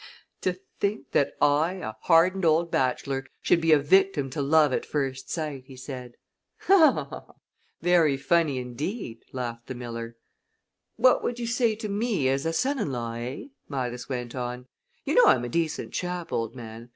"To think that I, a hardened old bachelor, should be a victim to love at first sight!" he said. "Very funny indeed," laughed the miller. "What would you say to me as a son in law, eh?" Midas went on. "You know I'm a decent chap, old man.